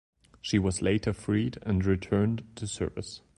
She was later freed and returned to service.